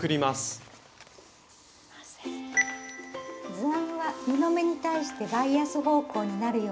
図案は布目に対してバイアス方向になるように写します。